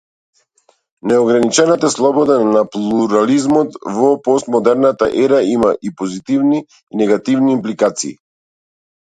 Неограничената слобода на плурализмот во постмодерната ера има и позитивни и негативни импликации.